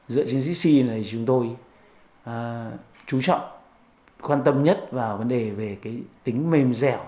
dựa trên chessy thì chúng tôi chú trọng quan tâm nhất vào vấn đề về tính mềm dẻo